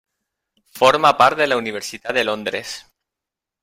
Forma part de la Universitat de Londres.